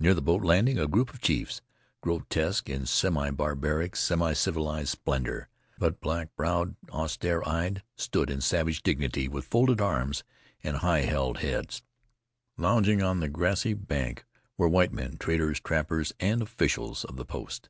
Near the boat landing a group of chiefs, grotesque in semi barbaric, semicivilized splendor, but black browed, austere eyed, stood in savage dignity with folded arms and high held heads. Lounging on the grassy bank were white men, traders, trappers and officials of the post.